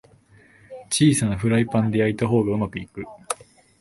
小さなフライパンで焼いた方がうまくいく